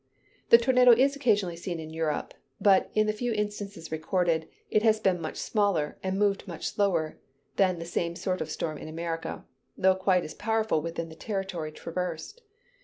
The tornado is occasionally seen in Europe: but in the few instances recorded, it has been much smaller, and moved much slower than the same sort of storm in America, though quite as powerful within the territory traversed.